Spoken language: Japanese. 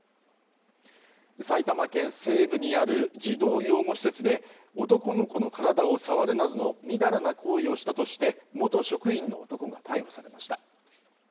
埼玉県西部にある児童養護施設で男の子の体を触るなどのみだらな行為をしたとして元職員の男が逮捕されました。